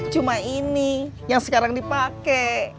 cuma ini yang sekarang dipakai